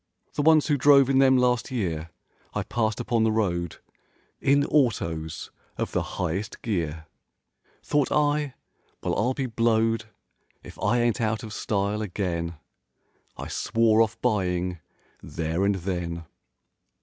The ones who drove in them last year, I passed upon the road In autos of the highest gear— Thought I, "Well, I'll be blowed If I ain't out of style again!" I swore off buying there and then.